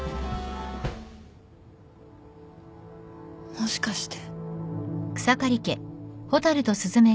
もしかして。